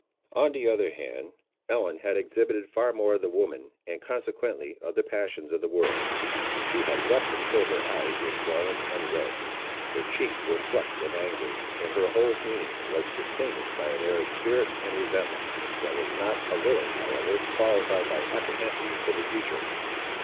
On the other hand, Ellen had exhibited far more of the woman, and consequently of the passions of the world. She had wept until her eyes were swollen and red. Her cheeks were flushed and angry, and her whole mien was distinguished by an air of spirit and resentment, that was not a little, however, qualified by apprehensions for the future.